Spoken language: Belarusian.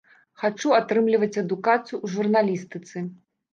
Хачу атрымліваць адукацыю ў журналістыцы.